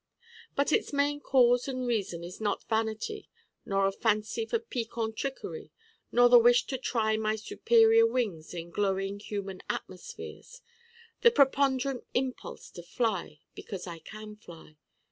But its main cause and reason is not vanity nor a fancy for piquant trickery, nor the wish to try my superior wings in glowing human atmospheres the preponderant impulse to fly because I can fly.